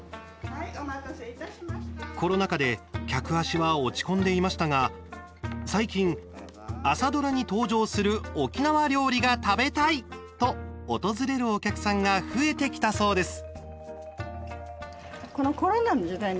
コロナ禍で客足は落ち込んでいましたが最近、朝ドラに登場する沖縄料理が食べたいと訪れるお客さんが増えてきたそうです。